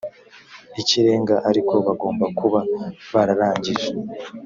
ikirenga ariko bagomba kuba bararangije